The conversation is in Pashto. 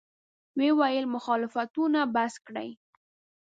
ویې ویل: مخالفتونه بس کړئ.